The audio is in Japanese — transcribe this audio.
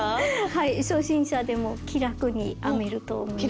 初心者でも気楽に編めると思いますよ。